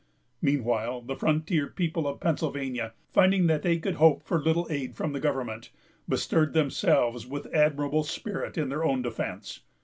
Meanwhile the frontier people of Pennsylvania, finding that they could hope for little aid from government, bestirred themselves with admirable spirit in their own defence.